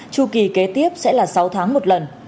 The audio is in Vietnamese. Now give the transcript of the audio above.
tru kỳ kế tiếp sẽ là sáu tháng một lần